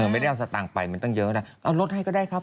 ไม่ได้เอาสตางค์ไปมันตั้งเยอะนะเอารถให้ก็ได้ครับ